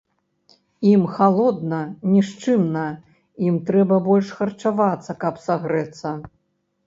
Ім халодна, нішчымна, ім трэба больш харчавацца, каб сагрэцца.